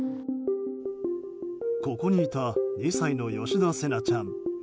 ここにいた２歳の吉田成那ちゃん。